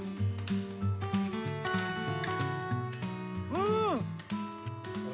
うん！